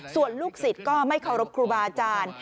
ส่วนลูกศิษย์ก็ไม่เคารพครูบาอาจารย์